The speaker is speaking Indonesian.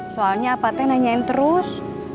soalnya apa teh nanyain terus